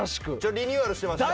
リニューアルしてました。